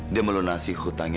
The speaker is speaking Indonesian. dia melunasi hutangnya